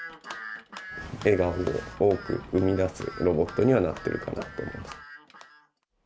笑顔を多く生み出すロボットにはなっているかなと思います。